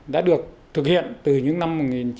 đã được thực hiện từ những năm một nghìn chín trăm chín mươi chín